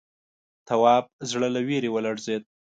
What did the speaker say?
تواب زړه له وېرې ولړزېد.